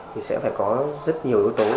thì sẽ phải có rất nhiều yếu tố